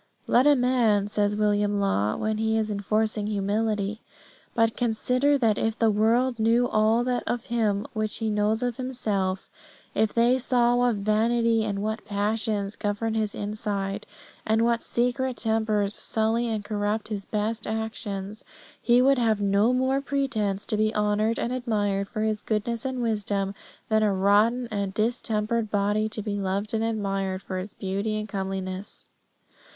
"Let a man," says William Law when he is enforcing humility, "but consider that if the world knew all that of him which he knows of himself: if they saw what vanity and what passions govern his inside, and what secret tempers sully and corrupt his best actions, he would have no more pretence to be honoured and admired for his goodness and wisdom than a rotten and distempered body to be loved and admired for its beauty and comeliness.